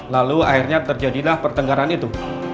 lalu akhirnya terjadilah pertengkaran itu